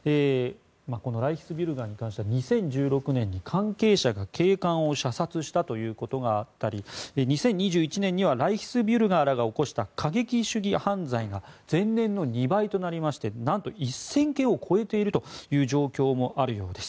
このライヒスビュルガーに関しては２０１６年に関係者が警官を射殺したことがあったり２０２１年にはライヒスビュルガーらが起こした過激主義犯罪が前年の２倍となりましてなんと１０００件を超えているという状況もあるようです。